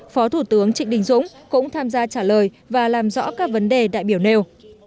phó thủ tướng trịnh đình dũng cũng tham gia trả lời và làm rõ các vấn đề đại biểu nêu